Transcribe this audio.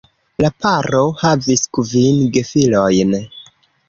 La paro havis kvin gefilojn.